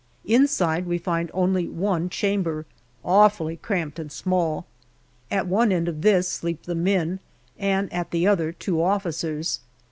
Inside we find only one chamber, awfully cramped and small. At one end of this sleep the men, and at the other two officers.